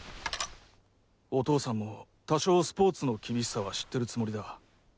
お父さんも多少スポーツの厳しさは知ってるつもりだ。